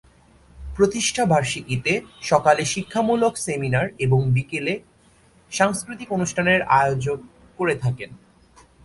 প্রতিষ্ঠা বার্ষিকীতে সকালে শিক্ষামূলক সেমিনার এবং বিকালে সাংস্কৃতিক অনুষ্ঠানের আয়োজক করে থাকেন।